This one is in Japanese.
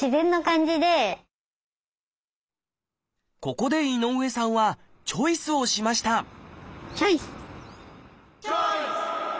ここで井上さんはチョイスをしましたチョイス！